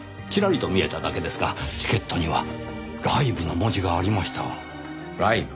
ちらりと見えただけですがチケットには「Ｌｉｖｅ」の文字がありました。